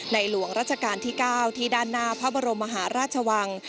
หลวงราชการที่๙ที่ด้านหน้าพระบรมมหาราชวัง